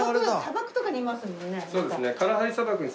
そうですね。